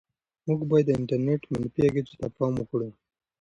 موږ باید د انټرنيټ منفي اغېزو ته پام وکړو.